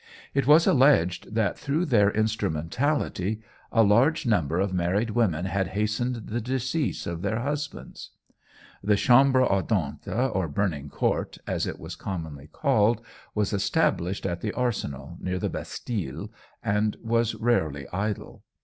It was alleged that through their instrumentality a large number of married women had hastened the decease of their husbands. The Chambre Ardente, or Burning Court, as it was commonly called, was established at the Arsenal, near the Bastille, and was rarely idle.